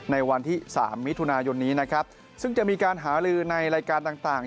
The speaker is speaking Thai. ในวันที่๓มิถุนายนซึ่งจะมีการหาลือในรายการต่าง